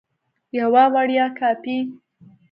یوه وړیا کاپي